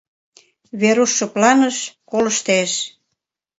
Веруш шыпланыш, колыштеш...